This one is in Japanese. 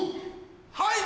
はい！